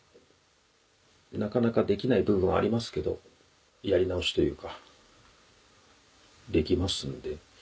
なかなかできない部分はありますけどやり直しというかできますんで。